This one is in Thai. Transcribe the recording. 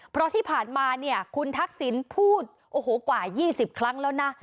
เพราะที่ผ่านมาเนี่ยคุณทักษิณพูดโอ้โหกว่า๒๐ครั้งแล้วนะ